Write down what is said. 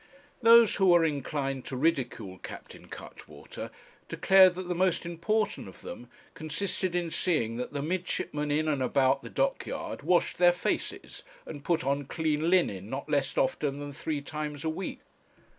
Those who were inclined to ridicule Captain Cuttwater declared that the most important of them consisted in seeing that the midshipmen in and about the dockyard washed their faces, and put on clean linen not less often than three times a week.